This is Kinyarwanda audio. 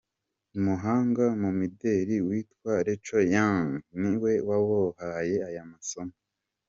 Umuhanga mu mideli witwa Rachel Young ni we wabahaye aya masomo.